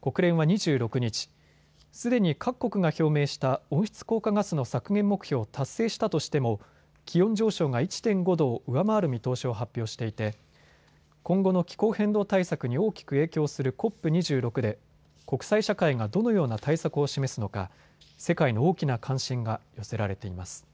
国連は２６日、すでに各国が表明した温室効果ガスの削減目標を達成したとしても気温上昇が１．５度を上回る見通しを発表していて今後の気候変動対策に大きく影響するＣＯＰ２６で国際社会がどのような対策を示すのか世界の大きな関心が寄せられています。